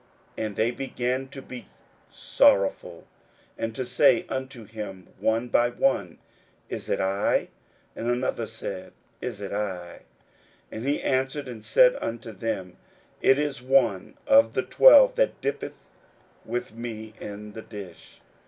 41:014:019 And they began to be sorrowful, and to say unto him one by one, Is it I? and another said, Is it I? 41:014:020 And he answered and said unto them, It is one of the twelve, that dippeth with me in the dish.